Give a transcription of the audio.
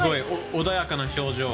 穏やかな表情。